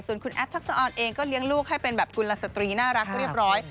คุณแอฟทักษะออนเองก็เลี้ยงลูกให้เป็นแบบกุลสตรีน่ารักเรียบร้อย